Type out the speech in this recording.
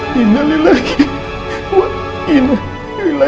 masih waktu oversized